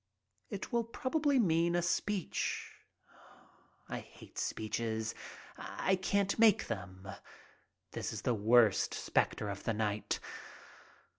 It will prob ably mean a speech. I hate speeches, I can't make them. This is the worst specter of the night.